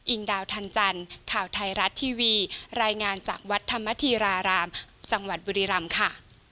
อินดาวทันจันทร์ข่าวไทยรัฐทีวีรายงานจากวัดธรรมธีรารามจังหวัดบุรีรำค่ะ